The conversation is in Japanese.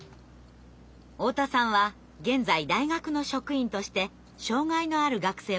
太田さんは現在大学の職員として障害のある学生をサポートしています。